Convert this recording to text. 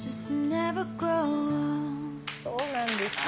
そうなんですよ。